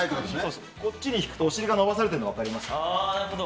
こっちに引くと、お尻が伸ばされているの分かりますか？